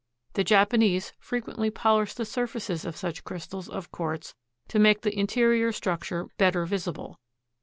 The Japanese frequently polish the surfaces of such crystals of quartz to make the interior structure better visible.